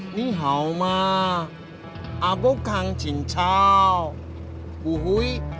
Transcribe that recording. nihau ma abu kang jingcau uhui